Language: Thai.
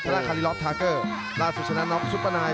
เพราะว่าคารีลอฟทาร์เกอร์ล่าสุดชนะน็อคซุปเพอร์ไนท์